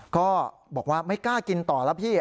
ก็บอกว่าไม่กล้ากินต่อแล้วพี่